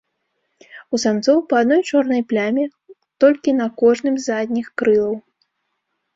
У самцоў па адной чорнай пляме толькі на кожным з задніх крылаў.